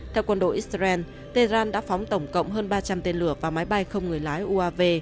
theo quân đội israel tehran đã phóng tổng cộng hơn ba trăm linh tên lửa và máy bay không người lái uav